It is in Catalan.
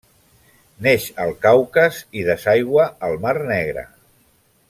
Neix al Caucas i desaigua al Mar Negre.